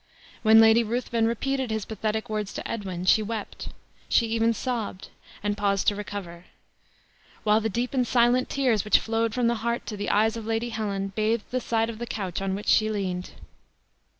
When Lady Ruthven repeated his pathetic words to Edwin, she wept; she even sobbed, and paused to recover; while the deep and silent tears which flowed from the heart to the eyes of Lady Helen bathed the side of the couch on which she leaned.